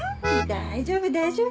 大丈夫大丈夫。